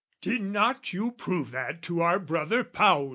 Did not you prove that to our brother Paul?